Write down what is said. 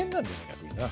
逆にな。